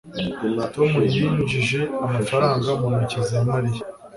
tom yinjije amafaranga mu ntoki za mariya